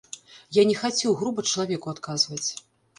Я не хацеў груба чалавеку адказваць.